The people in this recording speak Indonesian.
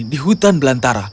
di hutan belantara